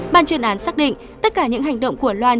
ban chuyên án xác định tất cả những hành động của loan